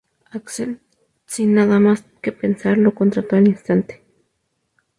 Axl, sin nada más que pensar, lo contrató al instante.